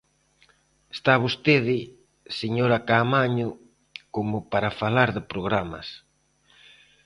Está vostede, señora Caamaño, como para falar de programas.